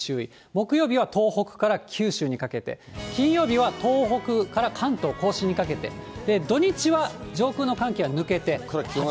木曜日は東北から九州にかけて、金曜日は東北から関東甲信にかけて、土日は上空の寒気は抜けて。